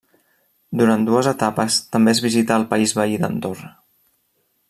Durant dues etapes també es visita el país veí d'Andorra.